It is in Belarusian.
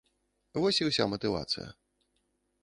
Вось і ўся матывацыя.